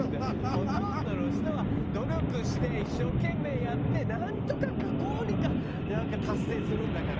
ほとんどの人は努力して一生懸命やってなんとかこうにかなんか達成するんだから。